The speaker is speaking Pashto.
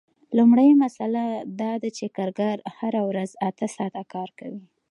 لومړۍ مسئله دا ده چې کارګر هره ورځ اته ساعته کار کوي